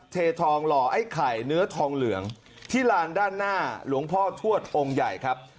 เททองหล่อไอ้ไข่เนื้อทองเหลืองที่ลานด้านหน้าหลวงพ่อทวดองค์ใหญ่ครับ